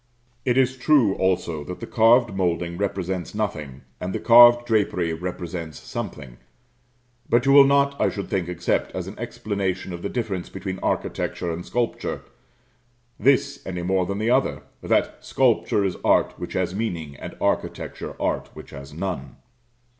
It is true, also, that the carved moulding represents nothing, and the carved drapery represents something; but you will not, I should think, accept, as an explanation of the difference between architecture and sculpture, this any more than the other, that "sculpture is art which has meaning, and architecture art which has none."